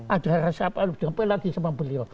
ada rasa apaan sampai lagi sama beliau